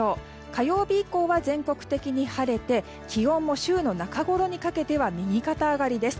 火曜日以降は全国的に晴れて気温も週の中ごろにかけては右肩上がりです。